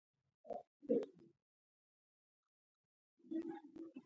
د حاصل د لوړوالي لپاره د کښت دقیق پلان جوړول اړین دي.